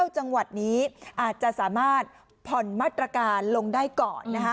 จังหวัดนี้อาจจะสามารถผ่อนมาตรการลงได้ก่อนนะคะ